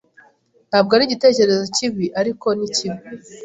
Ntabwo ari igitekerezo kibi, ariko ni kibi.